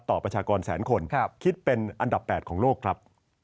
ประชากรแสนคนคิดเป็นอันดับ๘ของโลกครับ